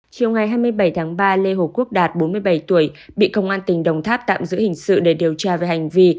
chiều ngày hai mươi bảy tháng ba lê hồ quốc đạt bốn mươi bảy tuổi bị công an tỉnh đồng tháp tạm giữ hình sự để điều tra về hành vi